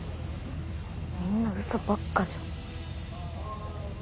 みんなうそばっかじゃん。